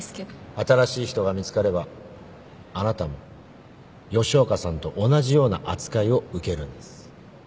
新しい人が見つかればあなたも吉岡さんと同じような扱いを受けるんです。